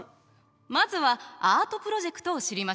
まずはアートプロジェクトを知りましょう。